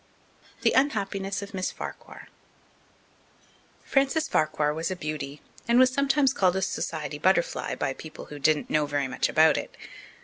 The Unhappiness of Miss Farquhar Frances Farquhar was a beauty and was sometimes called a society butterfly by people who didn't know very much about it.